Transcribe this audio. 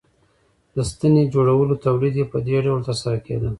د ستنې جوړونې تولید یې په دې ډول ترسره کېده